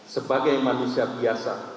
sebagai manusia biasa